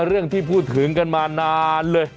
เรื่องที่พูดถึงกันมานานเลย